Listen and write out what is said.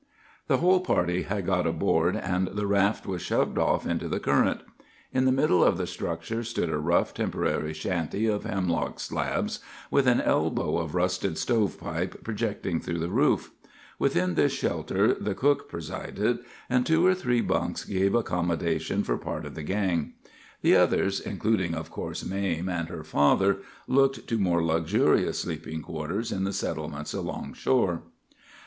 "The whole party had got aboard, and the raft was shoved off into the current. In the middle of the structure stood a rough, temporary shanty of hemlock slabs, with an elbow of rusted stovepipe projecting through the roof. Within this shelter the cook presided, and two or three bunks gave accommodation for part of the gang. The others, including of course Mame and her father, looked to more luxurious sleeping quarters in the settlements along shore.